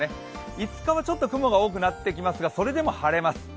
５日は雲が多くなってきますがそれでも晴れます。